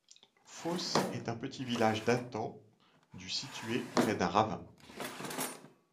Fos est un petit village datant du situé près d'un ravin.